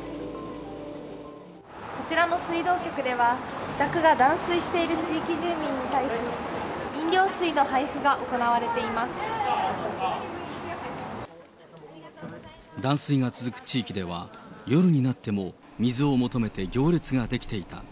こちらの水道局では、自宅が断水している地域住民に対し、断水が続く地域では、夜になっても水を求めて行列が出来ていた。